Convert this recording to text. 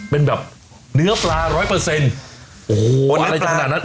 เป็นแบบเนื้อปลาร้อยเปอร์เซ็นต์โอ้โหอะไรจะขนาดนั้น